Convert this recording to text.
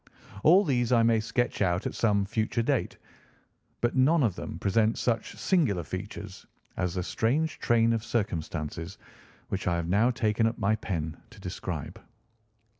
All these I may sketch out at some future date, but none of them present such singular features as the strange train of circumstances which I have now taken up my pen to describe.